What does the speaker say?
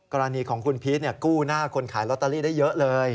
กรณีของคุณพีชกู้หน้าคนขายลอตเตอรี่ได้เยอะเลย